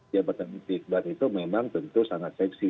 jabatan politik buat itu memang tentu sangat seksi